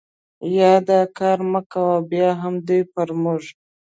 یا دا کار مه کوه، بیا هم دوی پر موږ.